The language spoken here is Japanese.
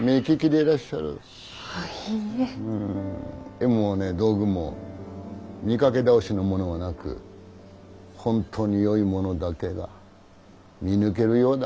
絵もね道具も見かけ倒しのものはなく本当によいものだけが見抜けるようだ。